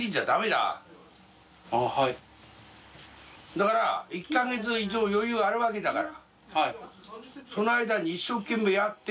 だから１か月以上余裕あるわけだから。